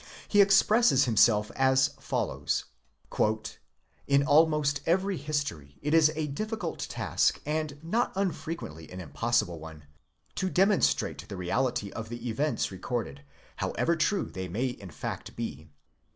14 He expresses himself as follows : "In almost every history it is a difficult task, and not unfrequently an impossible one, to demonstrate the reality of the events recorded, however true they may in fact be.